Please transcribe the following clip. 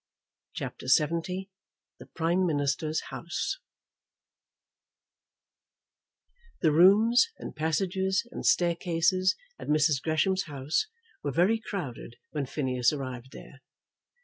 CHAPTER LXX The Prime Minister's House The rooms and passages and staircases at Mrs. Gresham's house were very crowded when Phineas arrived there.